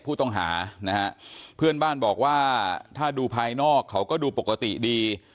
ผู้ต้องหานะฮะเพื่อนบ้านบอกว่าถ้าดูภายนอกเขาก็ดูปกติดี